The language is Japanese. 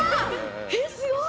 えっすごい！